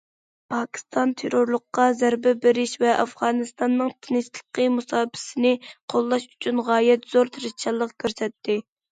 پاكىستان تېررورلۇققا زەربە بېرىش ۋە ئافغانىستاننىڭ تىنچلىقى مۇساپىسىنى قوللاش ئۈچۈن غايەت زور تىرىشچانلىق كۆرسەتتى.